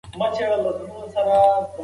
په مرکه کې رښتینولي ډیره مهمه ده.